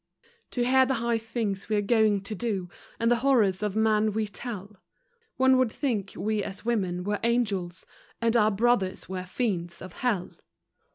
To hear the high things we are going to do, And the horrors of man we tell, One would think, "We, as women," were angels, And our brothers were fiends of hell.